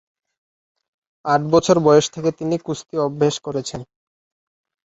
আট বছর বয়স থেকে তিনি কুস্তি অভ্যাস করেছেন।